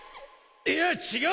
いや違う！